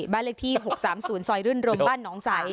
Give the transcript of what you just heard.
บ้านเลขที่๖๓๐ซอยรื่นรมบ้านหนองใส